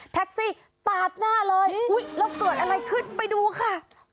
แท็กซี่ปาดหน้าเลยอุ๊ยแล้วเกิดอะไรขึ้นไปดูค่ะ